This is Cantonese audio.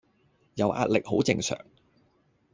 有壓力好正常